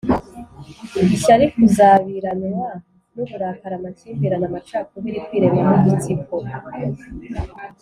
Ishyari kuzabiranywa n uburakari amakimbirane amacakubiri kwiremamo udutsiko